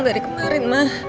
dari kemarin mah